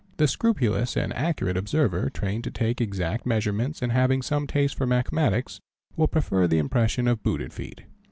The scrupulous and accurate observer, trained to take exact measurements and having some taste for mathematics, will prefer the impressions of booted feet.